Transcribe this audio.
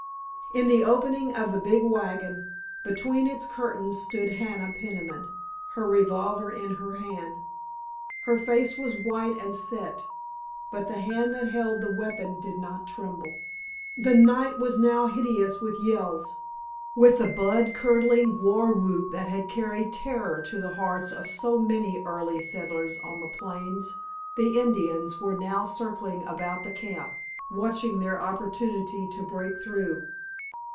In the opening of the big wagon, between its curtains stood Hannah Peniman, her revolver in her hand. Her face was white and set, but the hand that held the weapon did not tremble. The night was now hideous with yells. With the blood curdling war whoop that had carried terror to the hearts of so many early settlers on the plains the Indians were now circling about the camp, watching their opportunity to break through.